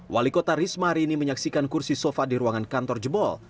wali kota risma hari ini menyaksikan kursi sofa di ruangan kantor jebol